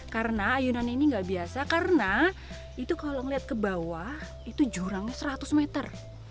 karena ayunan ini gak biasa karena itu kalau ngeliat ke bawah itu jurangnya seratus meter